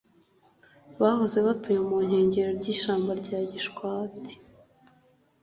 Bahoze batuye mu nkengero z’ishyamba rya Gishwati